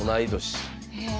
へえ。